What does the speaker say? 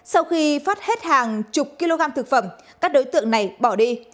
sau khi phát hết hàng chục kg thực phẩm các đối tượng này bỏ đi